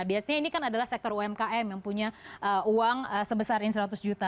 biasanya ini kan adalah sektor umkm yang punya uang sebesarin seratus juta